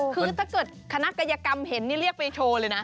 คือถ้าเกิดคณะกายกรรมเห็นนี่เรียกไปโชว์เลยนะ